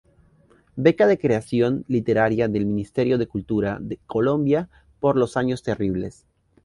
Beca de Creación Literaria del Ministerio de Cultura de Colombia por "Los años terribles.